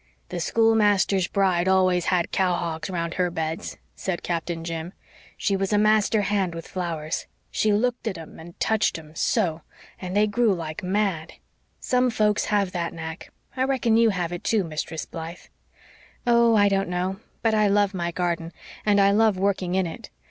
"The schoolmaster's bride always had cowhawks round her beds," said Captain Jim. "She was a master hand with flowers. She LOOKED at 'em and touched 'em SO and they grew like mad. Some folks have that knack I reckon you have it, too, Mistress Blythe." "Oh, I don't know but I love my garden, and I love working in it.